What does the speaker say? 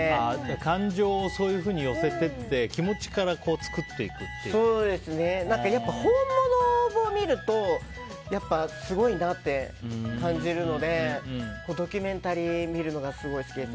感情をそういうふうに寄せていってやっぱり本物を見るとすごいなって感じるのでドキュメンタリー見るのがすごい好きです。